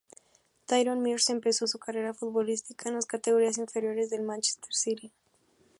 Tyrone Mears empezó su carrera futbolística en las categorías inferiores del Manchester City.